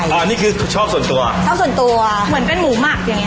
อันนี้คือชอบส่วนตัวชอบส่วนตัวเหมือนเป็นหมูหมักอย่างเง